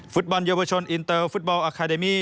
ฟุตบอลเยาวชนอินเตอร์ฟุตบอลอาคาเดมี่